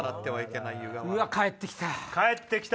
うわっ返ってきた。